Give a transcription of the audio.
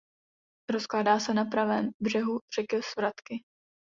Rozkládá se na pravém břehu řeky Svratky.